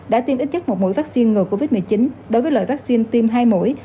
đã tiêm ít nhất một mũi vaccine ngừa covid một mươi chín đối với lợi vaccine tiêm hai mũi